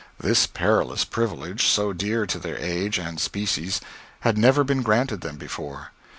This perilous privilege, so dear to their age and species, had never been granted them before.